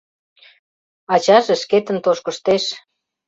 Ачаже шкетын тошкыштеш.